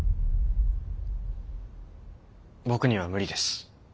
僕には無理です。